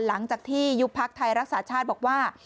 หลังจากที่ยุบพักไทยรักษาชาติบอกว่า